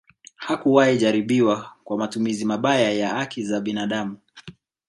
Hakuwahi jaribiwa kwa matumizi mabaya ya haki za binadamu